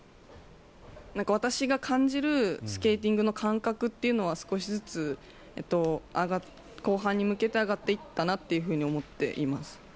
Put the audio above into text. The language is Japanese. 私が感じるスケーティングの感覚というのは少しずつ後半に向けて上がっていったなと思っています。